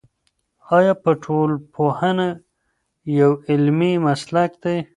آیا ټولنپوهنه یو علمي مسلک دی؟